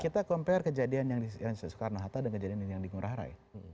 kita compare kejadian yang di soekarno hatta dengan kejadian yang di ngurah rai